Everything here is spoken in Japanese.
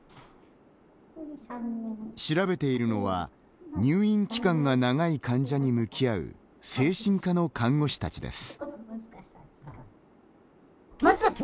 調べているのは入院期間が長い患者に向き合う精神科の看護師たちです。